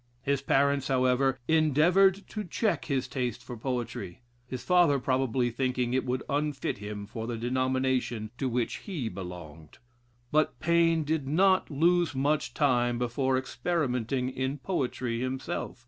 His parents, however, endeavored to check his taste for poetry, his father probably thinking it would unfit him for the denomination to which he belonged. But Paine did not lose much time before experimenting in poetry himself.